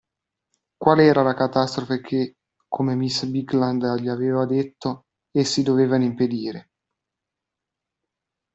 Quale era la catastrofe che, come miss Bigland gli aveva detto, essi dovevano impedire?